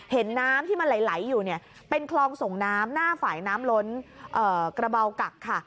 เห็นน้ำที่มันไหลอยู่เนี่ยเป็นคลองส่งน้ำหน้าฝ่ายน้ำล้นกระเบากักค่ะ